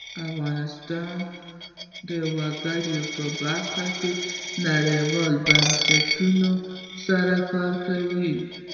افغانستان د وګړي په برخه کې نړیوالو بنسټونو سره کار کوي.